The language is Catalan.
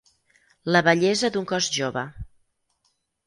La bellesa d'un cos jove.